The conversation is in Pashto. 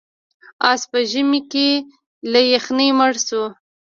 اس په ژمي کې له یخنۍ مړ شو.